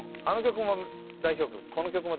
あの曲も代表曲